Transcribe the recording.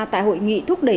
tại hội nghị thúc đẩy